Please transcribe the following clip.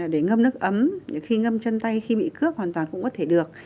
để ngâm nước ấm khi ngâm chân tay khi bị cướp hoàn toàn cũng có thể được